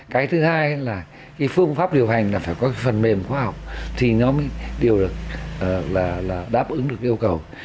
cái thứ hai là cái phương pháp điều hành là phải có cái phần mềm khoa học thì nó mới đáp ứng được yêu cầu